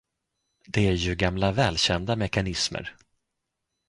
Det är ju gamla välkända mekanismer.